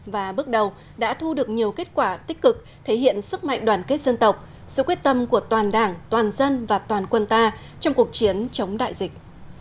và bước đầu đã thu được nhiều kết quả tích cực thể hiện sức mạnh đoàn kết dân tộc sự quyết tâm của toàn đảng toàn dân và toàn quân ta trong cuộc chiến chống đại dịch